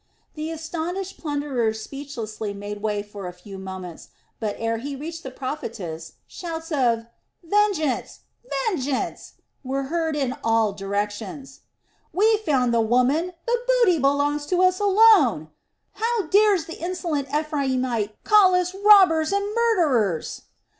The astonished plunderers speechlessly made way for a few minutes, but ere he reached the prophetess shouts of: "Vengeance! Vengeance!" were heard in all directions. "We found the woman: the booty belongs to us alone! How dares the insolent Ephraimite call us robbers and murderers?